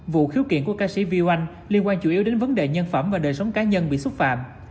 vụ khiếu kiện của ca sĩ vy oanh liên quan chủ yếu đến vấn đề nhân phẩm và đời sống cá nhân bị xúc phạm